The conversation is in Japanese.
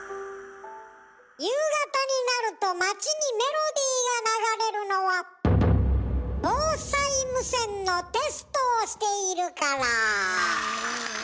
夕方になると街にメロディーが流れるのは防災無線のテストをしているから。